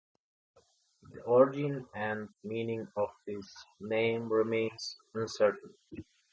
The origin and meaning of this name remains uncertain.